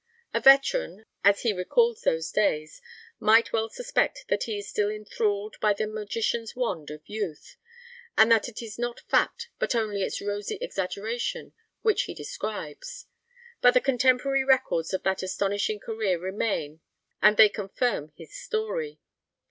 A veteran, as he recalls those days, might well suspect that he is still enthralled by the magician's wand of youth, and that it is not fact, but only its rosy exaggeration, which he describes. But the contemporary records of that astonishing career remain, and they confirm his story.